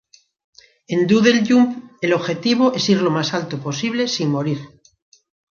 En "Doodle Jump", el objetivo es ir lo más alto posible sin morir.